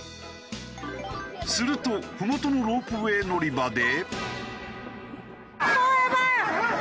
するとふもとのロープウェイ乗り場で。